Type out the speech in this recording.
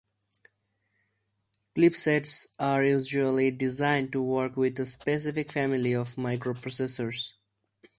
Chipsets are usually designed to work with a specific family of microprocessors.